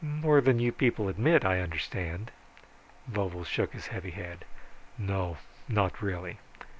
"More than you people admit, I understand." Vovo shook his heavy head. "No, not really.